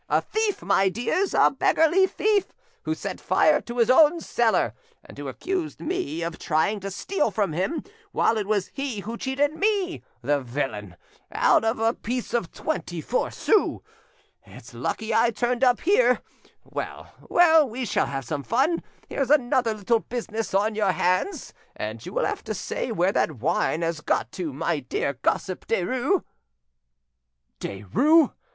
A thief, my dears, a beggarly thief, who set fire to his own cellar, and who accused me of trying to steal from him, while it was he who cheated me, the villain, out of a piece of twenty four sous. It's lucky I turned up here! Well, well, we shall have some fun! Here's another little business on your hands, and you will have to say where that wine has got to, my dear gossip Derues." "Derues!"